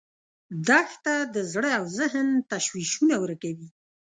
دښته د زړه او ذهن تشویشونه ورکوي.